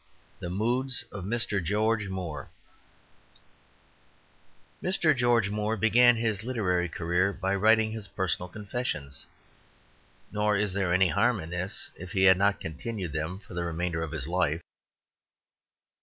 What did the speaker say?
The Moods of Mr. George Moore Mr. George Moore began his literary career by writing his personal confessions; nor is there any harm in this if he had not continued them for the remainder of his life.